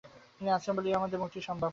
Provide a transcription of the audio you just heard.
তিনি আছেন বলিয়াই আমাদের মুক্তি সম্ভব।